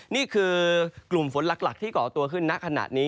นี่คือกลุ่มฝนหลักที่ก่อตัวขึ้นณขณะนี้